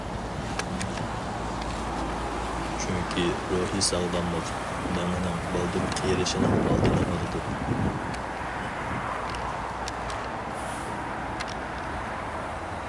چۈنكى روھىي ساغلاملىق مىڭىنىڭ بالدۇر قېرىشىنىڭ ئالدىنى ئالىدۇ.